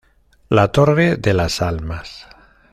La torre de las almas.